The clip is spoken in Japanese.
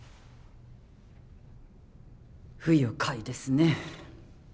不愉快ですね。